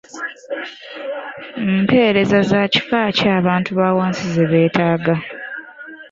Mpeereza za kika ki abantu ba wansi ze beetaaga?